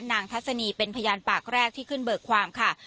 ทัศนีเป็นพยานปากแรกที่ขึ้นเบิกความค่ะ